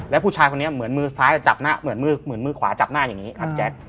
แล้วผู้ชายคนนี้เหมือนมือซ้ายจับหน้าเหมือนมือเหมือนมือขวาจับหน้าอย่างนี้ครับแจ๊ค